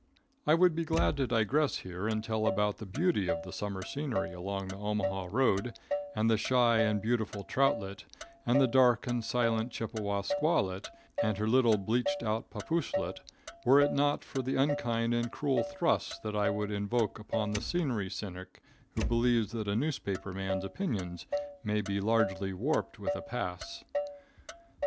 I would be glad to digress here and tell about the beauty of the summer scenery along the Omaha road, and the shy and beautiful troutlet, and the dark and silent Chippewa squawlet and her little bleached out pappooselet, were it not for the unkind and cruel thrusts that I would invoke from the scenery cynic who believes that a newspaper man's opinions may be largely warped with a pass.